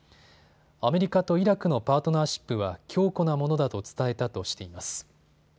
アメリカとイラクのパートナーシップは強固なものだと伝えたとしています。